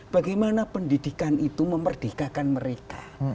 bagaimana pendidikan itu memerdekakan mereka